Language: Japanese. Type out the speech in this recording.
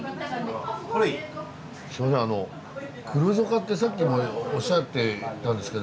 すいません黒ジョカってさっきもおっしゃってたんですけど